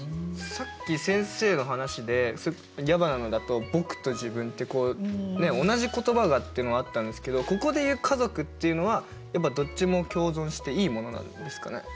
さっき先生の話で矢花のだと「僕」と「自分」って同じ言葉がっていうのがあったんですけどここでいう「家族」っていうのはどっちも共存していいものなんですかね。